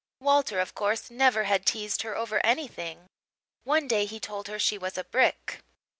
Walter, of course, never had teased her over anything; one day he told her she was a brick.